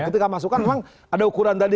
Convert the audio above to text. ketika masuk kan memang ada ukuran tadi